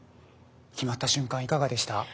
決まった瞬間いかがでした？